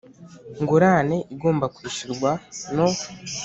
Ngurane igomba kwishyurwa no